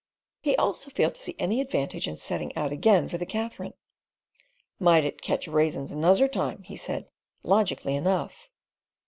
He also failed to see any advantage in setting out again for the Katherine. "Might it catch raisins nuzzer time," he said, logically enough.